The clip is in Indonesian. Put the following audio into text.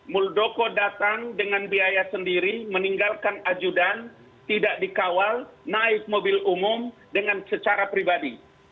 muldoko datang dengan biaya sendiri meninggalkan ajudan tidak dikawal naik mobil umum dengan secara pribadi